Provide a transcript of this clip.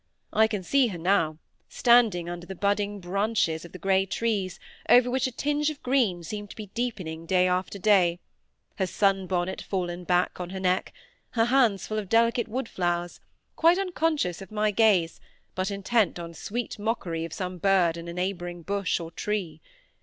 I can see her now, standing under the budding branches of the grey trees, over which a tinge of green seemed to be deepening day after day, her sun bonnet fallen back on her neck, her hands full of delicate wood flowers, quite unconscious of my gaze, but intent on sweet mockery of some bird in neighbouring bush or tree.